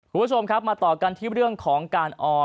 คุณผู้ชมครับมาต่อกันที่เรื่องของการออม